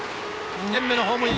２点目のホームイン。